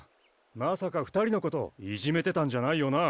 まさか２人のこといじめてたんじゃないよな？